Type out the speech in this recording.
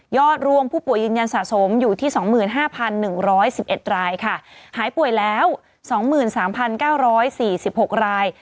รวมผู้ป่วยยืนยันสะสมอยู่ที่๒๕๑๑๑๑รายค่ะหายป่วยแล้ว๒๓๙๔๖ราย